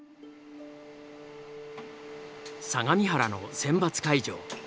相模原の選抜会場。